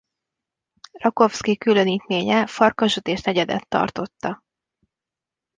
Rakovszky különítménye Farkasdot és Negyedet tartotta.